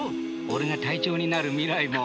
俺が隊長になる未来も。